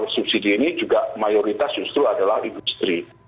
subsidi ini juga mayoritas justru adalah industri